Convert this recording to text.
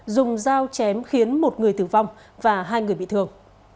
dùng dao chém khiến một người tử vong và hai người bị thương